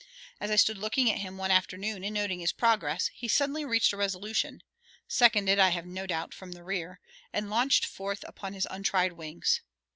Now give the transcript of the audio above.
As I stood looking at him one afternoon and noting his progress, he suddenly reached a resolution, seconded, I have no doubt, from the rear, and launched forth upon his untried wings.